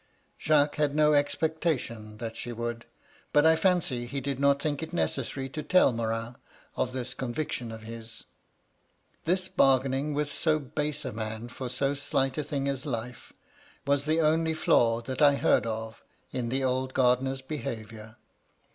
(Jacques had no expectation that she would ; but I &ncy he did not think it necessary to tell Morin of this conviction of his.) This bargain ing with so base a man for so slight a thing as life, was the only flaw that I heard of in the old gardener's behayiour.